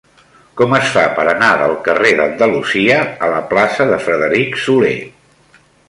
Com es fa per anar del carrer d'Andalusia a la plaça de Frederic Soler?